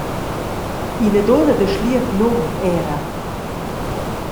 Ina dunna da schliet num era.